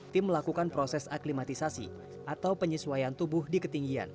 tim melakukan proses aklimatisasi atau penyesuaian tubuh di ketinggian